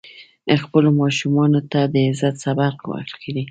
خپلو ماشومانو ته د عزت سبق ورکړئ.